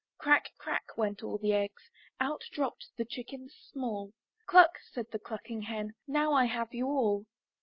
Crack, crack, went all the eggs, Out dropped the chickens small; "Cluck, said the clucking hen, "Now I have you all.